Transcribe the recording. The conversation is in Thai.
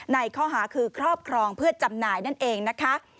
ในข้อหาคือครอบครองเพื่อจำหน่ายนั่นเองนะคะ